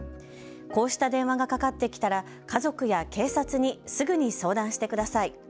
こうした電話がかかってきたら家族や警察にすぐに相談してください。